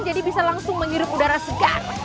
jadi bisa langsung menyirup udara segar